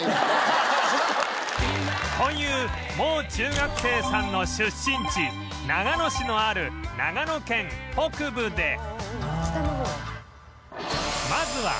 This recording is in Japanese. というもう中学生さんの出身地長野市のある長野県北部で